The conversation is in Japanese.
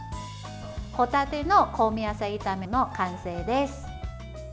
帆立ての香味野菜炒めの完成です。